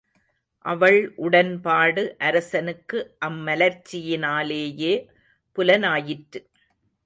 அவள் உடன்பாடு அரசனுக்கு அம் மலர்ச்சியினாலேயே புலனாயிற்று.